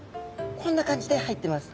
こんな感じで入ってます。